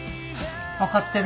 分かってる。